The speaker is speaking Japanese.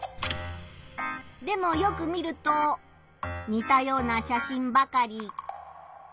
でもよく見るとにたような写真ばかり。